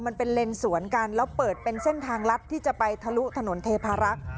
มันเป็นเลนสวนกันแล้วเปิดเป็นเส้นทางลัดที่จะไปทะลุถนนเทพารักษ์